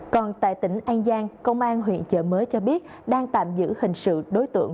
còn tại tỉnh an giang công an huyện chợ mới cho biết đang tạm giữ hình sự đối tượng